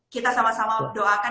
kita sama sama doakan